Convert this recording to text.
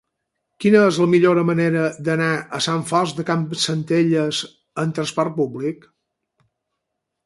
Quina és la millor manera d'anar a Sant Fost de Campsentelles amb trasport públic?